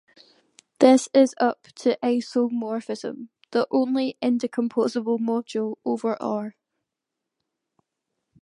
This is up to isomorphism the only indecomposable module over "R".